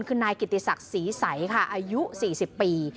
คือนายกิติศักดิ์ศรีใสค่ะอายุ๔๐ปี